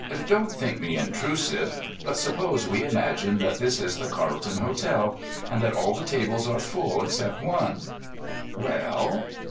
"Don't think me intrusive, but suppose we imagine that this is the Carlton Hotel, and that all the tables are full except one." "Well?"